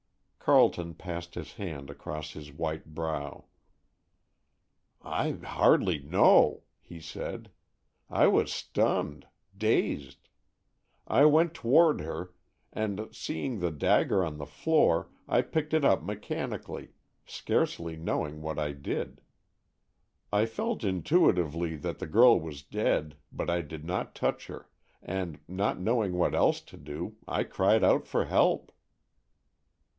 Carleton passed his hand across his white brow. "I hardly know," he said. "I was stunned—dazed. I went toward her, and, seeing the dagger on the floor, I picked it up mechanically, scarcely knowing what I did. I felt intuitively that the girl was dead, but I did not touch her, and, not knowing what else to do, I cried out for help."